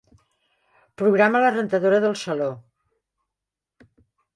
Programa la rentadora del saló.